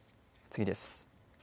次です。